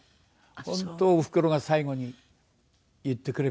本当おふくろが最後に言ってくれました。